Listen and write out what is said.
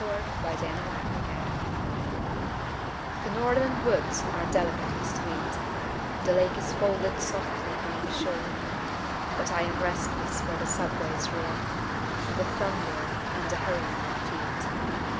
FROM THE NORTH THE northern woods are delicately sweet, The lake is folded softly by the shore, But I am restless for the subway's roar, The thunder and the hurrying of feet.